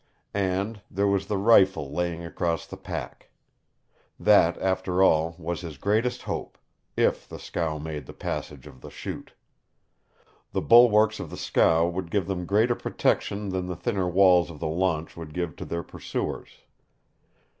And there was the rifle laying across the pack. That, after all, was his greatest hope if the scow made the passage of the Chute. The bulwarks of the scow would give them greater protection than the thinner walls of the launch would give to their pursuers.